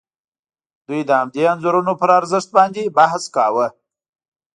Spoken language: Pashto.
دوی د همدې انځورونو پر ارزښت باندې بحث کاوه.